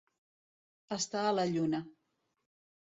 Estar a la lluna.